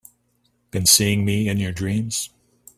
Been seeing me in your dreams?